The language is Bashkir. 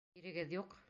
Ирегеҙ юҡ?